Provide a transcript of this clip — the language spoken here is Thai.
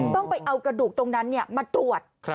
ต้องไปเอากระดูกตรงนั้นมาตรวจ